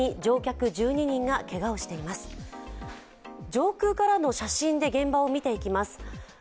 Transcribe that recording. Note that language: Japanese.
上空からの写真で現場を見ていきます。